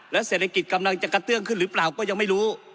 เศรษฐกิจกำลังจะกระเตื้องขึ้นหรือเปล่าก็ยังไม่รู้